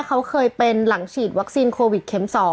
เขาเคยเป็นหลังฉีดวัคซีนโควิดเข็ม๒